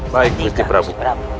baik gusti prabu